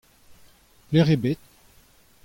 Pelec'h eo bet ?